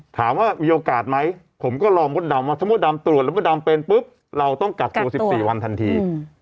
ถามว่ามีโอกาสไหมผมก็ลองมดดำว่าถ้ามดดำตรวจแล้วมดดำเป็นปุ๊บเราต้องกักตัว๑๔วันทันที